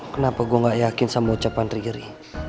kenapa gue gak yakin sama ucapan triggeri